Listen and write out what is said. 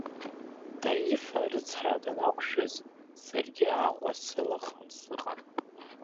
Таиф арыцҳара данақәшәаз саргьы Аҟәа салахан сыҟан.